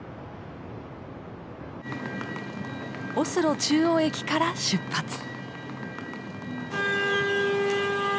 オスロ中央駅から出発！